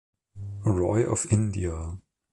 Roy of India.